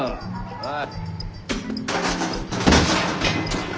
おい。